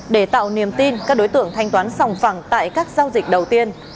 để tạo niềm tin các đối tượng thanh toán sòng phẳng tại các giao dịch đầu tiên